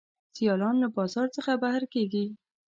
سیالان له بازار څخه بهر کیږي.